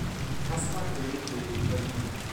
Kasper König lebt in Berlin.